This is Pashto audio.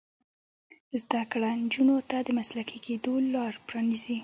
زده کړه نجونو ته د مسلکي کیدو لار پرانیزي.